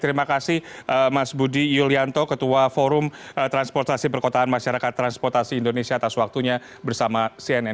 terima kasih mas budi iulianto ketua forum transportasi perkotaan masyarakat transportasi indonesia tas waktunya bersama cnn indonesia prime news